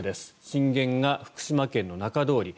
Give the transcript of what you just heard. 震源が福島県の中通り。